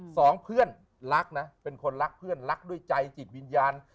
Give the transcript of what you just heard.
สองเพื่อนรักนะเป็นคนรักเพื่อนรักด้วยใจจิตวิญญาณ